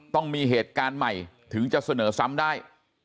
ต้องมีเหตุการณ์ใหม่ถึงจะเสนอซ้ำได้